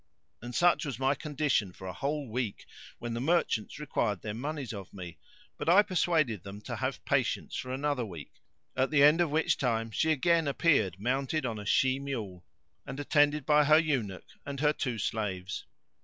And such was my condition for a whole week, when the merchants required their monies of me, but I persuaded them to have patience for another week, at the end of which time she again appeared mounted on a she mule and attended by her eunuch and two slaves.